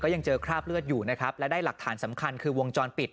ยังเจอคราบเลือดอยู่นะครับและได้หลักฐานสำคัญคือวงจรปิด